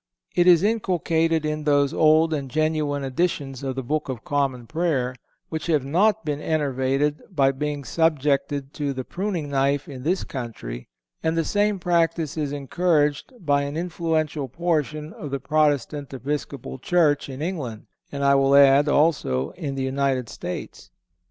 It is inculcated in those old and genuine editions of the Book of Common Prayer, which have not been enervated by being subjected to the pruning knife in this country, and the same practice is encouraged by an influential portion of the Protestant Episcopal church in England, and I will add, also, in the United States.